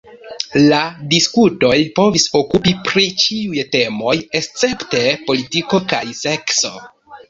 La diskutoj povis okupi pri ĉiuj temoj escepte politiko kaj sekso.